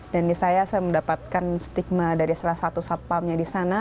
dan saya mendapatkan stigma dari salah satu satpamnya di sana